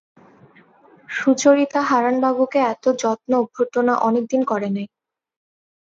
সুচরিতা হারানবাবুকে এত যত্ন-অভ্যর্থনা অনেক দিন করে নাই।